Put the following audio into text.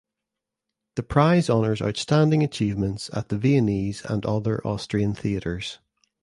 The prize honours outstanding achievements at the Viennese and other Austrian theatres.